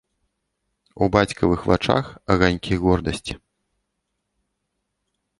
У бацькавых вачах аганькі гордасці.